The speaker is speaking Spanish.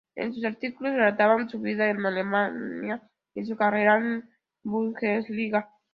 En sus artículos relataban su vida en Alemania y su carrera en la Bundesliga.